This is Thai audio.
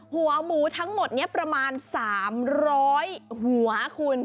หัวหมูทั้งหมดนี้ประมาณ๓๐๐หัวคุณ